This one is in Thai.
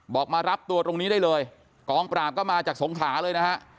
มารับตัวตรงนี้ได้เลยกองปราบก็มาจากสงขาเลยนะฮะ